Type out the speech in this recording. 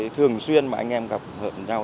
thường xuyên mà anh em gặp nhau